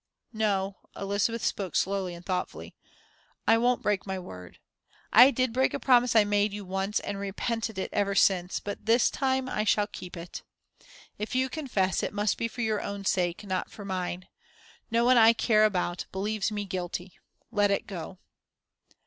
"No" Elizabeth spoke slowly and thoughtfully "I won't break my word. I did break a promise I made you once, and repented it, ever since; but this time I shall keep it. If you confess, it must be for your own sake, not for mine. No one I care about believes me guilty. Let it go."